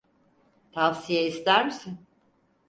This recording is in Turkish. Tavsiye ister misin?